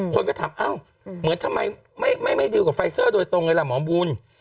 คนก็ถามเอ้าเหมือนทำไมไม่ดีลกับไฟเซอร์โดยตรงเลยล่ะหมอบุญ